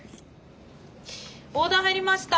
オーダー入りました。